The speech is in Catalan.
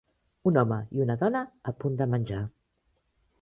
Un home i una dona a punt de menjar.